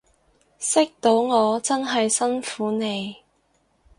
識到我真係辛苦你